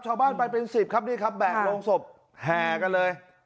ชาวบ้านไปเป็น๑๐ครับแบ่งโรงศพแห่กันเลย